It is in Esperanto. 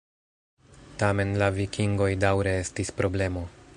Tamen la vikingoj daŭre estis problemo.